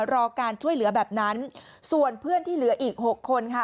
รอการช่วยเหลือแบบนั้นส่วนเพื่อนที่เหลืออีกหกคนค่ะ